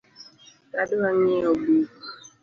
Adwa ng’iewo buk